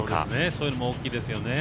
そういうのも大きいですよね。